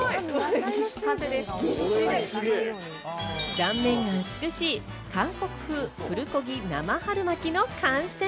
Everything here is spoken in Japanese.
断面が美しい、韓国風プルコギ生春巻きの完成。